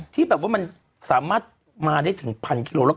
ที่แบบว่ามันสามารถมาได้ถึงพันกิโลแล้ว